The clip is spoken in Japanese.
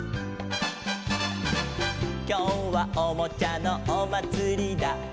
「きょうはおもちゃのおまつりだ」